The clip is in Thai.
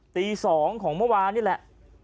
ตี๒ของเมื่อวานนี่แหละ